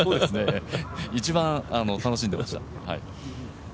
一番楽しんでました。